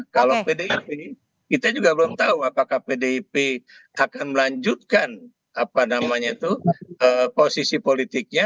kalau pdip kita juga belum tahu apakah pdip akan melanjutkan posisi politiknya